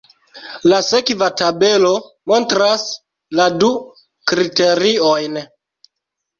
La sekva tabelo montras la du kriteriojn.